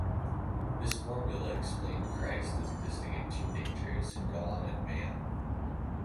This formula explained Christ as existing in two natures, God and man.